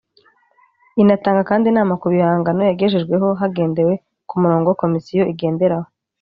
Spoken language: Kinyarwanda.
inatanga kandi inama ku bihangano yagejejweho hagendewe ku murongo komisiyo igenderaho